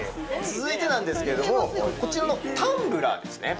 続いてなんですけれどもこちらのタンブラーですね